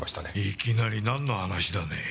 いきなりなんの話だね？